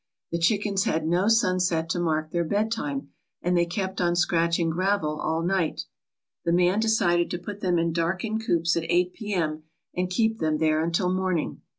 The chickens had no sunset to mark their bedtime, and they kept on scratching gravel all night. The man decided to put them in darkened coops at 8 P. M. and keep them there until morning.